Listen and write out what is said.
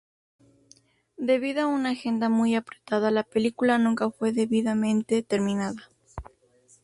Debido a una agenda muy apretada, la película nunca fue debidamente terminada.